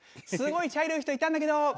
「すごい茶色い人いたんだけど」。